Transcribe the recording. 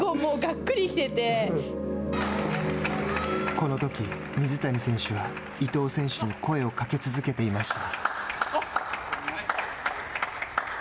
このとき、水谷選手は伊藤選手に声をかけ続けていました。